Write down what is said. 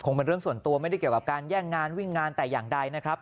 เป็นเรื่องส่วนตัวไม่ได้เกี่ยวกับการแย่งงานวิ่งงานแต่อย่างใดนะครับ